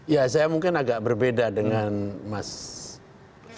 ya saya mungkin agak berbeda dengan mas agus